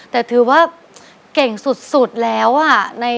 แต่ถือว่าเก่งสุดแล้วอะ